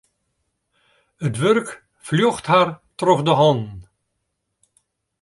It wurk fljocht har troch de hannen.